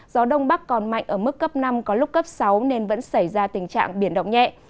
gió đông bắc còn mạnh ở mức cấp năm có lúc cấp sáu nên vẫn xảy ra tình trạng biển động nhẹ